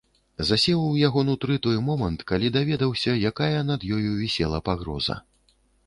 Засеў у яго нутры той момант, калі даведаўся, якая над ёю вісела пагроза.